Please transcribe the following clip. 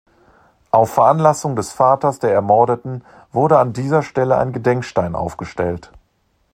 Auf Veranlassung des Vaters der Ermordeten wurde an dieser Stelle ein Gedenkstein aufgestellt.